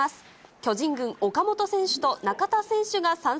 巨人軍、岡本選手と中田選手が参戦。